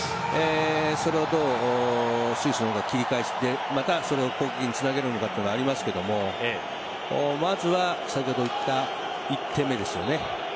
どう、スイスが切り返してそれをつなげるのかというものがありますけどまずは先ほど言った１点目ですよね。